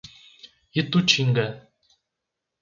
Itutinga